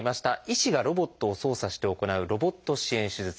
医師がロボットを操作して行う「ロボット支援手術」。